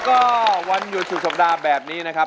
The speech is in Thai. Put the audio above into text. ก็วันหยุดสุดสัปดาห์แบบนี้นะครับ